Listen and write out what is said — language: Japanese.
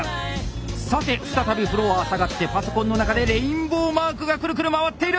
さて再びフロアー下がってパソコンの中でレインボーマークがクルクル回っている！